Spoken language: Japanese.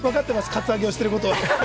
カツアゲをしてることを。